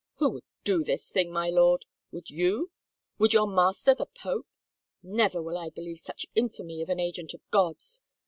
Who would do this thing, my lord? Would you ? Would your master, the pope? Never will I believe such infamy of an agent of God's!